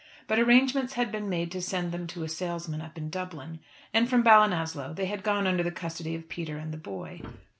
But arrangements had been made to send them to a salesman up in Dublin, and from Ballinasloe they had gone under the custody of Peter and the boy.